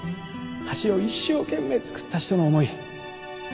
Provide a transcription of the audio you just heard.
橋を一生懸命造った人の思い